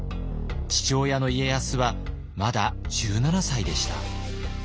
父親の家康はまだ１７歳でした。